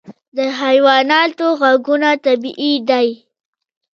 د حیواناتو غږونه طبیعي دي.